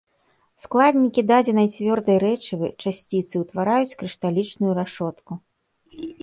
Складнікі дадзенай цвёрдай рэчывы часціцы ўтвараюць крышталічную рашотку.